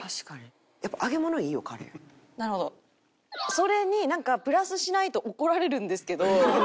それになんかプラスしないと怒られるんですけど。